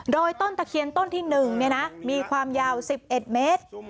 โดยต้นตะเคียนต้นที่๑มีความยาว๑๑เมตร